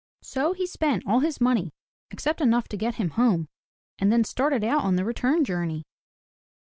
So he spent all his money except enough to get him home, and then started out on the return journey.